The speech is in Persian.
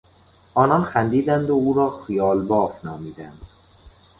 آنان خندیدند و او را خیالباف نامیدند.